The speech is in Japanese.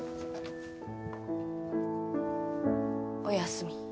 おやすみ。